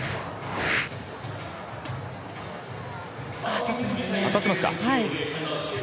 当たってますね。